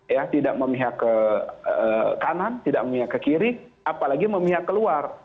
ya tidak memihak ke kanan tidak memihak ke kiri apalagi memihak keluar